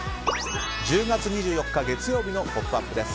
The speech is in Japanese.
１０月２４日、月曜日の「ポップＵＰ！」です。